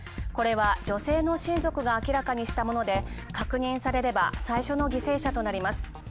これは、女性の親族が明らかにしたもので、確認されれば最初の犠牲者となります。